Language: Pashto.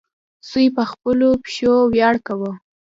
سوی په خپلو پښو ویاړ کاوه.